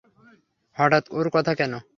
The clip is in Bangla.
হঠাৎ ওর কথা কেন?